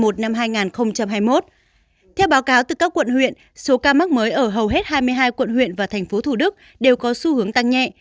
theo báo cáo từ các quận huyện số ca mắc mới ở hầu hết hai mươi hai quận huyện và tp hcm đều có xu hướng tăng nhẹ